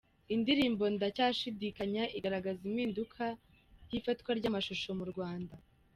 Indirimbo "Ndacyashidikanya" igaragaza impinduka y’ifatwa ry’amashusho mu Rwanda.